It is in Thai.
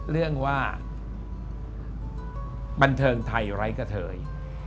เรื่องว่าบันเทิงไทยไร้กระเทย